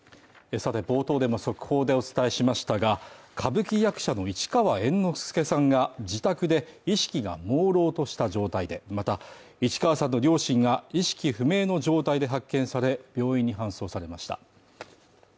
さて冒頭でも速報でお伝えしましたが、歌舞伎役者の市川猿之助さんが自宅で意識がもうろうとした状態で、また市川さんの両親が意識不明の状態で発見され、病院に搬送されました。